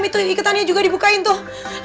itu ikutannya juga dibukain tuh